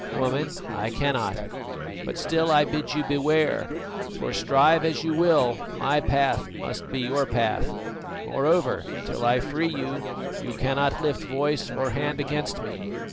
"Woman, I cannot; but still I bid you beware, for, strive as you will, my path must be your path. Moreover, till I free you, you cannot lift voice or hand against me."